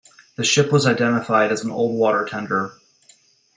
The ship was identified as an old water tender.